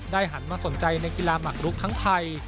หันมาสนใจในกีฬาหมักลุกทั้งไทย